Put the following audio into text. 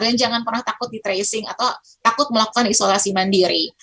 dan jangan pernah takut di tracing atau takut melakukan isolasi mandiri